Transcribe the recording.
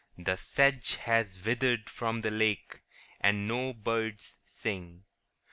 The sedge is withered from the lake, And no birds sing.